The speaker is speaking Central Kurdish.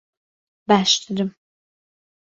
باشترم.